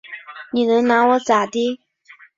你能拿我咋地？